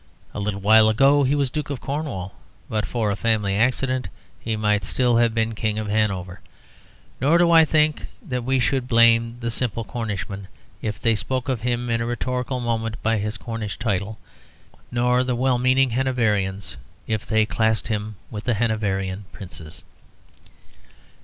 A little while ago he was Duke of Cornwall; but for a family accident he might still have been King of Hanover. Nor do I think that we should blame the simple Cornishmen if they spoke of him in a rhetorical moment by his Cornish title, nor the well meaning Hanoverians if they classed him with Hanoverian Princes.